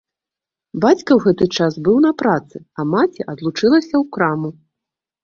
Бацька ў гэты час быў на працы, маці адлучылася ў краму.